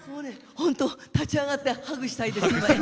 本当、立ち上がってハグしたいです。